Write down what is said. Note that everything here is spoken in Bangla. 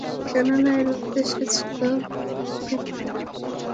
কেননা, এর উদ্দেশ্য ছিল নবীকে নিরাপদ রাখা।